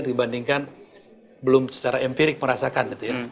dibandingkan belum secara empirik merasakan gitu ya